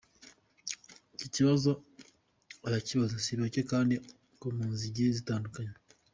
Iki kibazo abakibaza si bake kandi ku mpamvu zigiye zitandukanye.